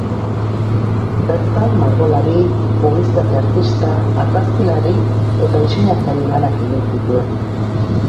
Bertan margolari, publizitate artista, argazkilari eta diseinatzaile lanak egin zituen.